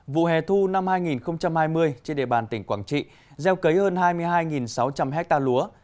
vụ hè thu năm hai nghìn hai mươi trên địa bàn tỉnh quảng trị gieo cấy hơn hai mươi hai sáu trăm linh hectare lúa